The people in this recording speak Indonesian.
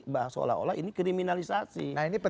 bahwa seolah olah ini kriminalisasi